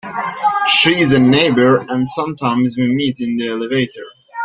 She is a neighbour, and sometimes we meet in the elevator.